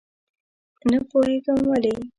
نه پوهېږم ولې.